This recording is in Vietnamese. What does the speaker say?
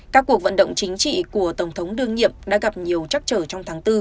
các cuộc vận động chính trị của tổng thống đương nhiệm đã gặp nhiều trắc trở trong tháng bốn